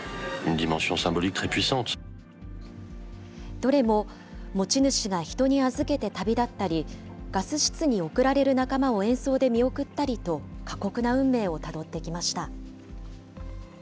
どれも持ち主が人に預けて旅立ったり、ガス室に送られる仲間を演奏で見送ったりと、過酷な運命をたどってきました。